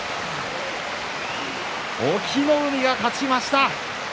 隠岐の海が勝ちました。